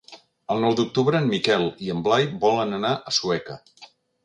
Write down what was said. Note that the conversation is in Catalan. El nou d'octubre en Miquel i en Blai volen anar a Sueca.